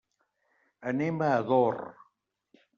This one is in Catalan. Anem a Ador.